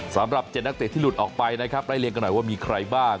สำหรับ๗นักเตะที่หลุดออกไปนะครับไล่เรียงกันหน่อยว่ามีใครบ้าง